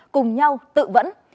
cùng nhau tự vẫn